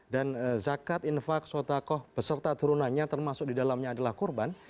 dan zakat infaq sotakoh beserta turunannya termasuk didalamnya adalah kurban